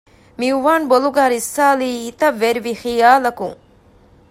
މިއުވާންގެ ބޮލުގައި ރިއްސާލީ ހިތަށް ވެރިވި ޚިޔާލަކުން